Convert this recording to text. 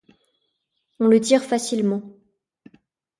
On le tire facilement.